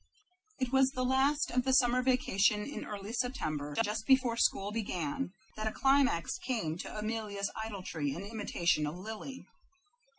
It was the last of the summer vacation in early September, just before school began, that a climax came to Amelia's idolatry and imitation of Lily.